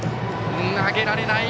投げられない。